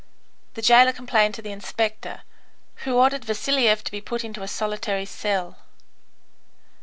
The jailer complained to the inspector, who ordered Vasiliev to be put into a solitary cell.